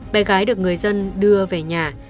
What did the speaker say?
bé gái được người dân đưa về nhà